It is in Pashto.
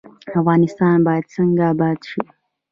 افغانستان باید څنګه اباد شي؟